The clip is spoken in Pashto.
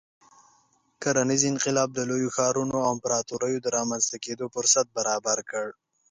کرنیز انقلاب د لویو ښارونو او امپراتوریو د رامنځته کېدو فرصت برابر کړ.